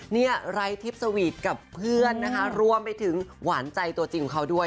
นี่ไร้ทิพย์สวีทกับเพื่อนนะคะรวมไปถึงหวานใจตัวจริงของเขาด้วย